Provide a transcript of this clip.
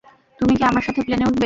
তুমি কি আমার সাথে প্লেনে উঠবে?